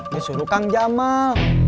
disuruh kang jamal